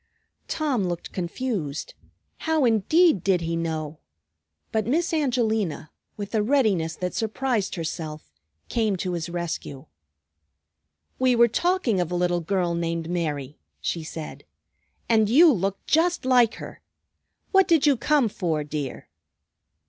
Tom looked confused. How indeed did he know? But Miss Angelina, with a readiness that surprised herself, came to his rescue. "We were talking of a little girl named Mary," she said. "And you look just like her. What did you come for, dear?"